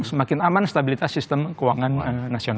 semakin aman stabilitas sistem keuangan nasional